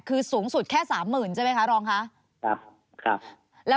คือสูงสุดแค่๓หมื่นใช่มั้ยคะรองคะ